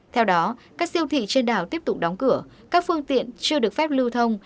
theo đó các siêu thị trên đảo tiếp tục đóng cửa các phương tiện chưa được phép lưu thông